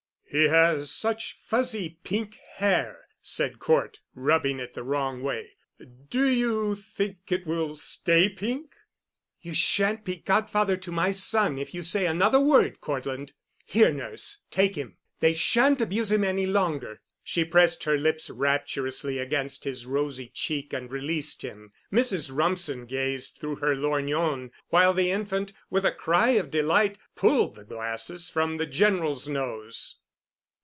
"He has such fuzzy pink hair!" said Cort, rubbing it the wrong way. "Do you think it will stay pink?" "You sha'n't be godfather to my son if you say another word, Cortland. Here, nurse, take him. They sha'n't abuse him any longer." She pressed her lips rapturously against his rosy cheek and released him. Mrs. Rumsen gazed through her lorgnon, while the infant, with a cry of delight, pulled the glasses from the General's nose.